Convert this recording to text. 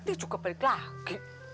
nanti juga balik lagi